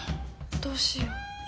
どうしよう？